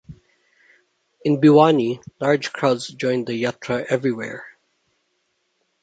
In Bhiwani, large crowds joined the Yatra everywhere.